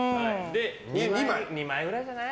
２枚ぐらいじゃない？